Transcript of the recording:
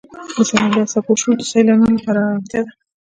د سمندر څپو شور د سیلانیانو لپاره آرامتیا ده.